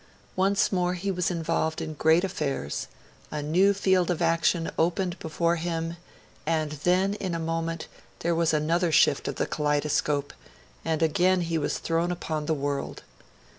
Once more he was involved in great affairs: a new field of action opened before him; and then, in a moment, there was another shift of the kaleidoscope, and again he was thrown upon the world.